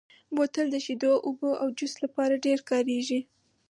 بوتل د شیدو، اوبو او جوس لپاره ډېر کارېږي.